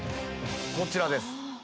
こちらです。